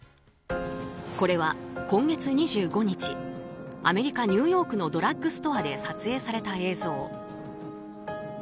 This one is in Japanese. これは今月２５日アメリカ・ニューヨークのドラッグストアで撮影された映像。